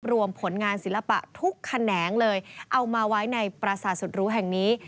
รวมผลงานศิลปะทุกแขนงเลยเอามาไว้ในปราสาทสุดรู้แห่งนี้